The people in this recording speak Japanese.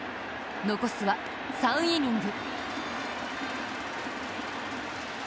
残すは３イニング。